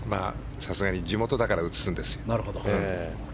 さすがに地元だから映すんですよ。